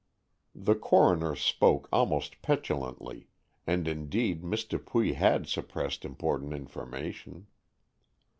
The coroner spoke almost petulantly, and indeed Miss Dupuy had suppressed important information.